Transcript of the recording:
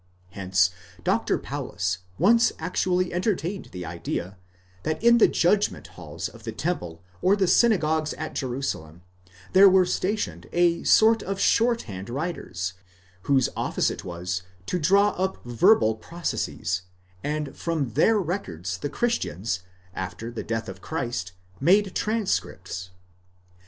Hence Dr. Paulus once actually entertained the idea, that in the judgment halls of the temple or the synagogues at Jerusalem, there were stationed a sort of shorthand writers, whose office it was to draw up verbal processes, and that from their records the Christians, after the death of Christ, made transcripts.